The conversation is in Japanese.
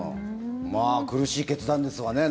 苦しい決断ですわね。